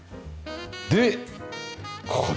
でここで。